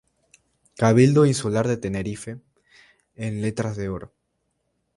Cabildo Insular de Tenerife" en letras de oro.